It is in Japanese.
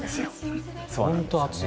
本当に暑い。